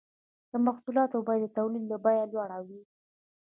د محصولاتو بیه د تولید له بیې لوړه وي